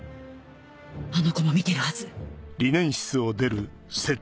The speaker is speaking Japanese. あの子も見てるはず。